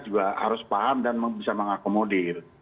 juga harus paham dan bisa mengakomodir